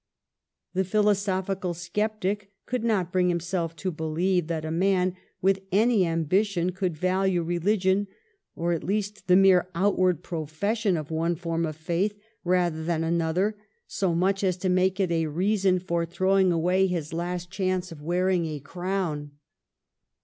The philosophical sceptic could not bring himself to believe that a man with any ambition could value religion, or at least the mere outward profession of one form of faith rather than another, so much as to make it a reason for throwing away his last chance of wearing a crown.